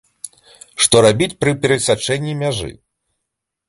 Што рабіць пры перасячэнні мяжы.